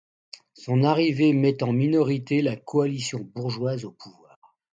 Son arrivée met en minorité la coalition bourgeoise au pouvoir.